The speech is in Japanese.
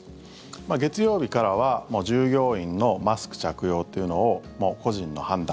月曜日からは従業員のマスク着用というのをもう個人の判断